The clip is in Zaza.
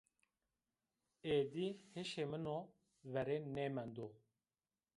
Êdî hişê min o verên nêmendo